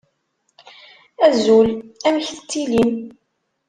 Azul, amek tettilim?